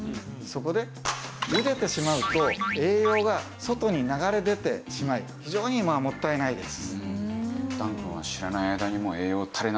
そこでゆでてしまうと栄養が外に流れ出てしまい非常にもったいないです。